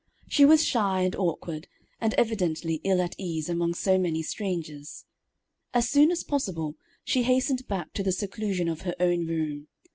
She was shy and awkward, and evidently ill at ease among so many strangers. As soon as possible, she hastened back to the seclusion of her own room.